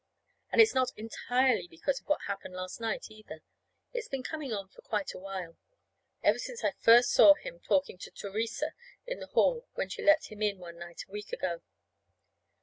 And it's not entirely because of what happened last night, either. It's been coming on for quite a while ever since I first saw him talking to Theresa in the hall when she let him in one night a week ago.